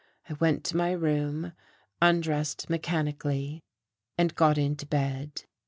I went to my room, undressed mechanically and got into bed....